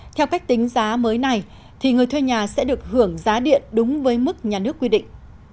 theo cách tính giá mới này thì người thuê nhà sẽ được hưởng giá điện đúng với mức nhà nước quy định